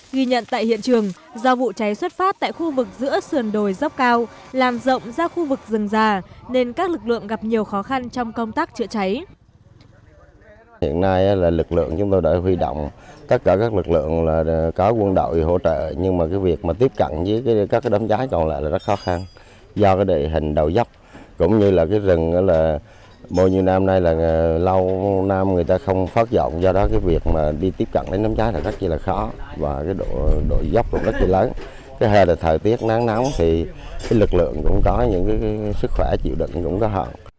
ghi nhận tại hiện trường do vụ cháy xuất phát tại khu vực giữa sườn đồi dốc cao làm rộng ra khu vực rừng già nên các lực lượng gặp nhiều khó khăn trong công tác chữa cháy